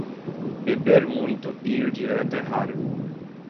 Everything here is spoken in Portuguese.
Beber muito e ir direto é raro.